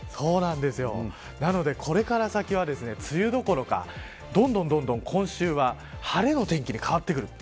なので、これから先は梅雨どころか、どんどん今週は晴れの天気に変わってくる。